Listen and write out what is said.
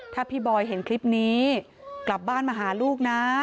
ถ้าพี่บอยเห็นคลิปนี้กลับบ้านมาหาลูกนะ